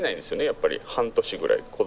やっぱり半年ぐらい子供が。